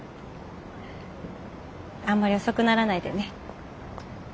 あんまり遅くならないでね。